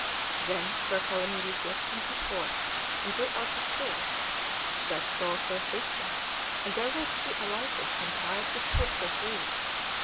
Then Sir Palamedes leapt from his horse, and drew out his sword. That saw Sir Tristram, and therewith he alighted and tied his horse to a tree.